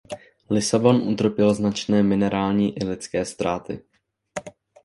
Lisabon utrpěl značné materiální i lidské ztráty.